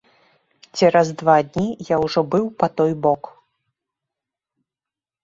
Цераз два дні я ўжо быў па той бок.